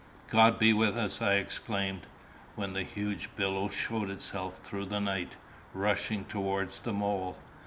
"God be with us!" I exclaimed, when the huge billow showed itself through the night, rushing towards the mole.